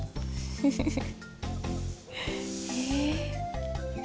フフフフ。